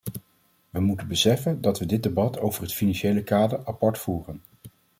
We moeten beseffen dat we dit debat over het financiële kader apart voeren.